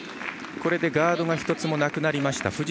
これでガードが１つもなくなりました。